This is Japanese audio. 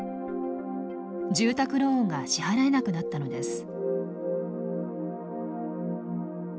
住宅ローンが支払えなくなったのです。